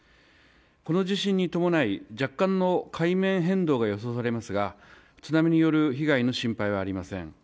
この地震に伴い、若干の海面変動が予想されますが、津波による被害の心配はありません。